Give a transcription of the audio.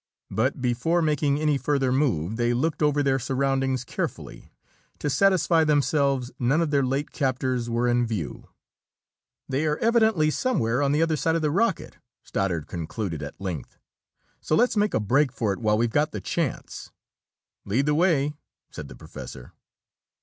But before making any further move, they looked over their surroundings carefully, to satisfy themselves none of their late captors were in view. "They're evidently somewhere on the other side of the rocket," Stoddard concluded at length. "So let's make a break for it while we've got the chance." "Lead the way!" said the professor.